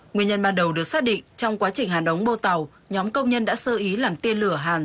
nguyên nhân ban đầu được xác định trong quá trình hàn đóng bô tàu nhóm công nhân đã sơ ý làm tiên lửa hàn